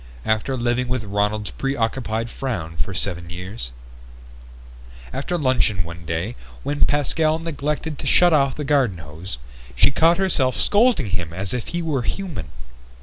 After living with Ronald's preoccupied frown for seven years ... After luncheon one day, when Pascal neglected to shut off the garden hose, she caught herself scolding him as if he were human.